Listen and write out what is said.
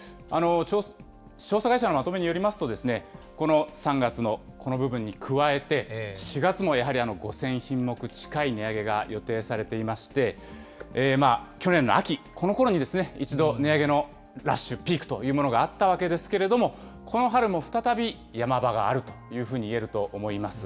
調査会社のまとめによりますとですね、この３月のこの部分に加えて、４月もやはり５０００品目近い値上げが予定されていまして、去年の秋、このころに一度、値上げのラッシュ、ピークというものがあったわけですけれども、この春も再びヤマ場があるというふうにいえると思います。